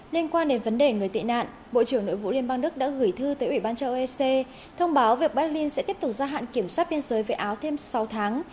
liên quan đến vấn đề người tị nạn bộ trưởng nội vụ liên bang đức đã gửi thư tới ủy ban châu âu ec thông báo việc berlin sẽ tiếp tục gia hạn kiểm soát biên giới với áo thêm sáu tháng